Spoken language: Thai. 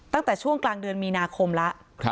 ตั้งแต่ช่วงกลางเดือนมีนาคมแล้ว